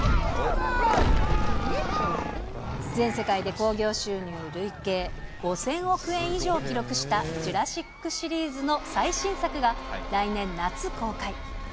全世界で興行収入累計５０００億円以上を記録したジュラシックシリーズの最新作が、来年夏公開。